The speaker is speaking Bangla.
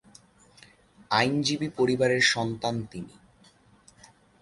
আইনজীবী পরিবারের সন্তান তিনি।